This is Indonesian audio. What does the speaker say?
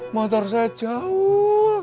motor saya jauh